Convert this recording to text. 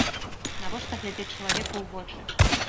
Навошта глядзець чалавеку ў вочы?